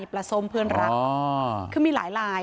ปลาส้มเพื่อนรักคือมีหลายลาย